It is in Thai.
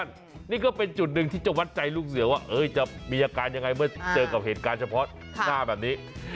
นี่ก็เป็นจุดหนึ่งที่จะวัดใจลูกเสือว่าจะมีอาการยังไงเมื่อเจอกับเหตุการณ์เฉพาะหน้าแบบนี้